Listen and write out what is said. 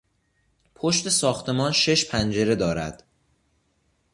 پشت ساختمان شش پنجره دارد.